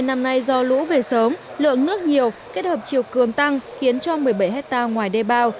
năm nay do lũ về sớm lượng nước nhiều kết hợp chiều cường tăng khiến cho một mươi bảy hectare ngoài đê bao